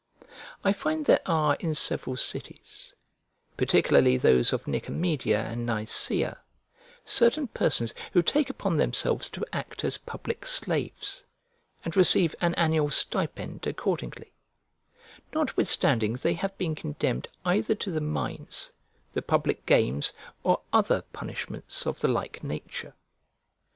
I find there are in several cities, particularly those of Nicomedia and Nicea, certain persons who take upon themselves to act as public slaves, and receive an annual stipend accordingly; notwithstanding they have been condemned either to the mines, the public games, or other punishments of the like nature.